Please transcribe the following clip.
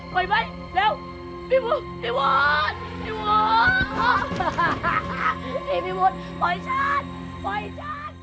พี่ด้วย